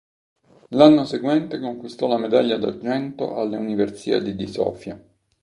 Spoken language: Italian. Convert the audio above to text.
L'anno seguente conquistò la medaglia d'argento alle Universiadi di Sofia.